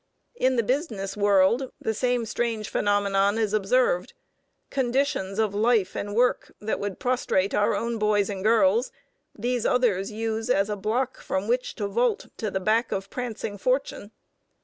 In the business world the same strange phenomenon is observed: conditions of life and work that would prostrate our own boys and girls, these others use as a block from which to vault to the back of prancing Fortune.